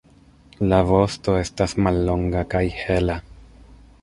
La vosto estas mallonga kaj hela.